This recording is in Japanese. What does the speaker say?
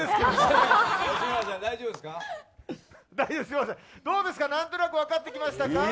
どうですかなんとなく分かってきましたか？